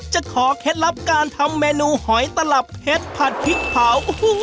จะขอเคล็ดลับการทำเมนูหอยตลับเพชรผัดพริกเผา